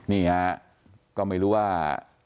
นี่ฮะก็ไม่รู้ว่า